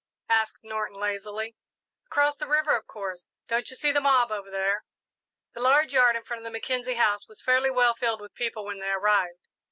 asked Norton, lazily. "Across the river, of course; don't you see the mob over there?" The large yard in front of the Mackenzie house was fairly well filled with people when they arrived.